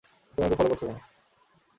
তুমি আমাকে ফলো করছো কেনো?